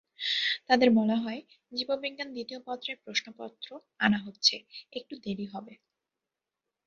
তাদের বলা হয়, জীববিজ্ঞান দ্বিতীয়পত্রের প্রশ্নপত্র আনা হচ্ছে একটু দেরি হবে।